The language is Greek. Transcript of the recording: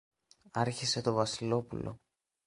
άρχισε το Βασιλόπουλο.